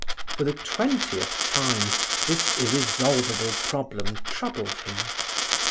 For the twentieth time, this irresolvable problem troubled him.